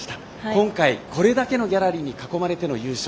今回、これだけのギャラリーに囲まれての優勝。